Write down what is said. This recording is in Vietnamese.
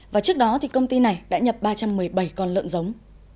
và trước đó thì công ty này đã nhập ba trăm một mươi bảy con lợn giống